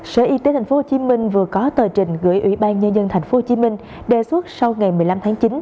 sở y tế tp hcm vừa có tờ trình gửi ủy ban nhân dân tp hcm đề xuất sau ngày một mươi năm tháng chín